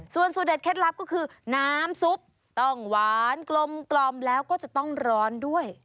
ส่วนสูตรเด็ดเคล็ดลับก็คือน้ำซุปต้องหวานกลมแล้วก็จะต้องร้อนด้วย